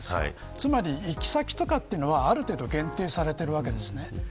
つまり、行き先はある程度限定されているわけです。